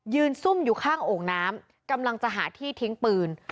ซุ่มอยู่ข้างโอ่งน้ำกำลังจะหาที่ทิ้งปืน